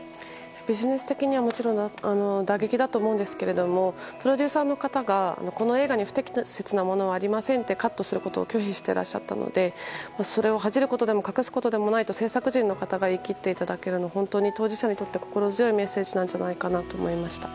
ビジネス的にはもちろん打撃だと思うんですけれどもプロデューサーの方がこの映画に不適切なものはありませんとカットすることを拒否していらっしゃったのでそれを恥じることでも隠すことでもないと制作陣の方が言い切っていただけるのは本当に当事者にとって心強いメッセージだと思いました。